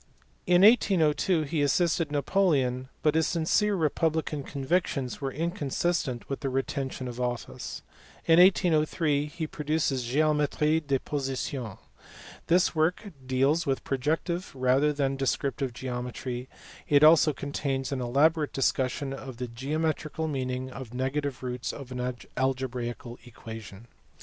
In 1802 he assisted Napoleon, but his sincere republican convictions were inconsistent with the retention of office. In 1803 he produced his Geometric de position. This work deals with protective rather than des criptive geometry, it also contains an elaborate discussion of the geometrical meaning of negative roots of an algebraical equation.